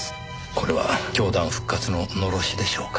これは教団復活の狼煙でしょうか？